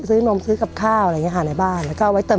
ซื้อนมซื้อกับข้าวอะไรอย่างนี้ค่ะในบ้าน